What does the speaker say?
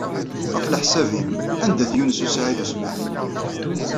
Ɣef leḥsab-nnem, anda-t Yunes u Saɛid u Smaɛil?